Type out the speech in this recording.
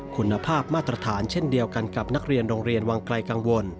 คุณภาพมาตรฐานเช่นเดียวกันกับนักเรียนโรงเรียนวังไกลกังวล